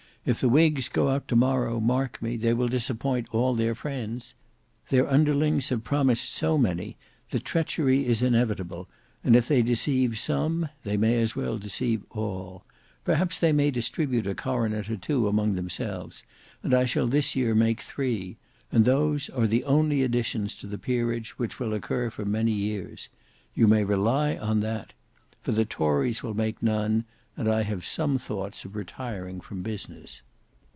If the whigs go out to morrow, mark me, they will disappoint all their friends. Their underlings have promised so many, that treachery is inevitable, and if they deceive some they may as well deceive all. Perhaps they may distribute a coronet or two among themselves: and I shall this year make three: and those are the only additions to the peerage which will occur for many years. You may rely on that. For the tories will make none, and I have some thoughts of retiring from business."